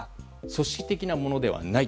組織的なものではない。